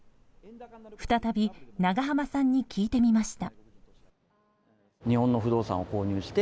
再び永濱さんに聞いてみました。